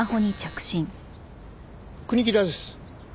国木田です。